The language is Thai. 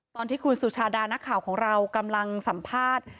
ตอนที่คุณสุชาดานักข่าวของเรากำลังสัมภาษณ์